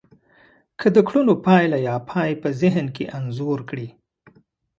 که د کړنو پايله يا پای په ذهن کې انځور کړی.